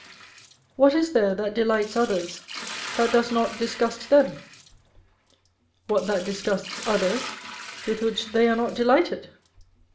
What is there that delights others that does not disgust them ? What that disgusts others with which they are not delighted